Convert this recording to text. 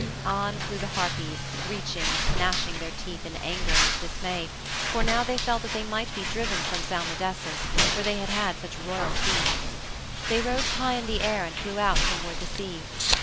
On flew the Harpies, screeching and gnashing their teeth in anger and dismay, for now they felt that they might be driven from Salmydessus, where they had had such royal feasts. They rose high in the air and flew out toward the sea.